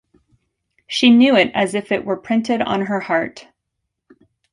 She knew it as if it were printed on her heart.